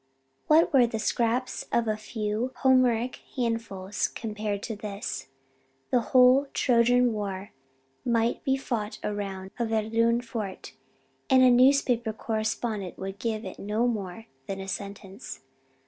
"What were the scraps of a few Homeric handfuls compared to this? The whole Trojan war might be fought around a Verdun fort and a newspaper correspondent would give it no more than a sentence.